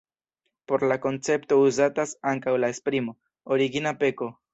Por la koncepto uzatas ankaŭ la esprimo "origina peko".